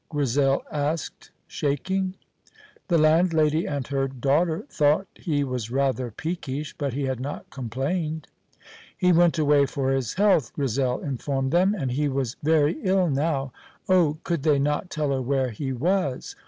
Grizel asked, shaking. The landlady and her daughter thought he was rather peakish, but he had not complained. He went away for his health, Grizel informed them, and he was very ill now. Oh, could they not tell her where he was?